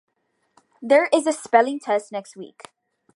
There is a spelling test next week.